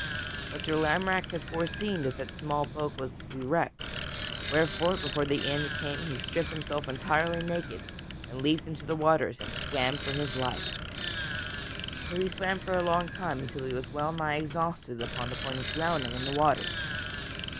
But Sir Lamorack had foreseen that that small boat was to be wrecked, wherefore, before the end came, he stripped himself entirely naked and leaped into the waters and swam for his life. [Sidenote: Sir Lamorack is shipwrecked upon a strange land] So he swam for a long time until he was wellnigh exhausted and upon the point of drowning in the waters.